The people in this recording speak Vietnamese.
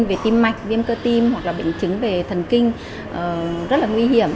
về tim mạch viêm cơ tim hoặc là bệnh chứng về thần kinh rất là nguy hiểm